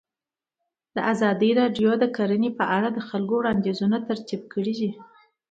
ازادي راډیو د کرهنه په اړه د خلکو وړاندیزونه ترتیب کړي.